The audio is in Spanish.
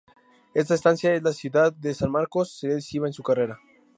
Esta estancia en la ciudad de San Marcos sería decisiva en su carrera.